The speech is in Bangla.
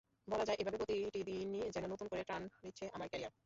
বলা যায়, এভাবে প্রতিটি দিনই যেন নতুন করে টার্ন নিচ্ছে আমার ক্যারিয়ার।